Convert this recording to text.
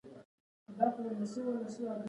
هغه د صفوي واکمن ګرګین خان لخوا اصفهان ته ولیږل شو.